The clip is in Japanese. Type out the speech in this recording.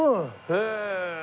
へえ！